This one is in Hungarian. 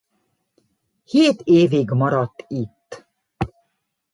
Hét évig maradt itt.